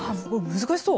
難しそう。